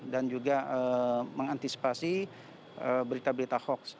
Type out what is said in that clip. dan juga mengantisipasi berita berita hoaks